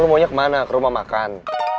maunya kemana ke rumah makan